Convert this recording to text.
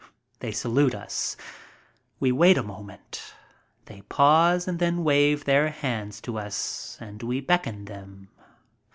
They salute us. We wait a moment. They pause and then wave their hands to us and we beckon them.